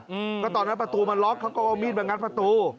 อืมก็ตอนนั้นประตูมันล็อกเขาก็เอามีดมางัดประตู